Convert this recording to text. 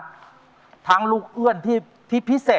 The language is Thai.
ช่วยฝังดินหรือกว่า